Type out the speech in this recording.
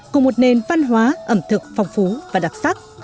cùng một nền văn hóa ẩm thực phong phú và đặc sắc